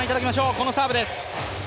このサーブです。